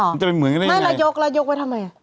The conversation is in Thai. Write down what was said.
มันจะเป็นเหมือนกันอย่างไร